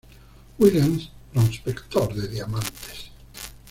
Williams, prospector de diamantes.